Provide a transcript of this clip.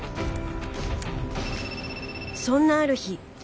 そんなある日。